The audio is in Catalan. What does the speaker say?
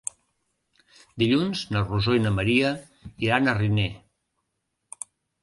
Dilluns na Rosó i na Maria iran a Riner.